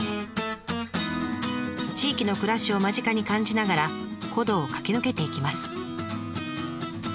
地域の暮らしを間近に感じながら古道を駆け抜けていきます。